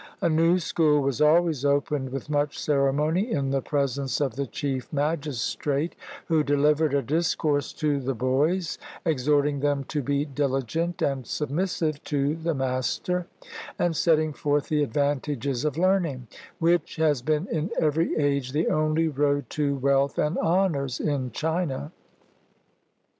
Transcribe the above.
A new school was always opened with much ceremony in the presence of the chief magistrate, who delivered a discourse to the boys, exhorting them to be diligent and submissive to the master, and setting forth the advantages of learning, which has been, in every age, the only road to wealth and honors in China.